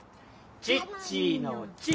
チッチーのチ！